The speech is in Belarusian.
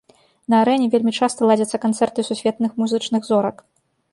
На арэне вельмі часта ладзяцца канцэрты сусветных музычных зорак.